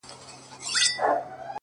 • پر بچو د توتکۍ چي یې حمله کړه ,